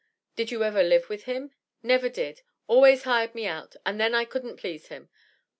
"Did you ever live with him?" "Never did; always hired me out, and then I couldn't please him."